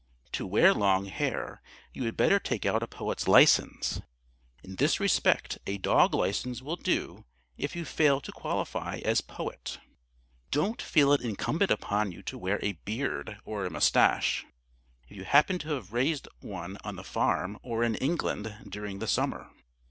To wear long hair, you had better take out a Poet's license. In this respect a dog license will do if you fail to qualify as Poet. [Sidenote: WHISKERS AND SUCH] Don't feel it incumbent upon you to wear a beard or a moustache, if you happen to have raised one on the farm or in England, during the summer.